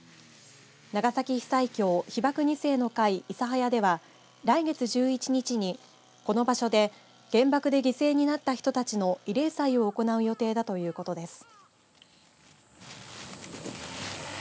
長崎被災協・被爆二世の会・諫早では来月１１日に、この場所で原爆で犠牲になった人たちの慰霊祭を行う予定だということです。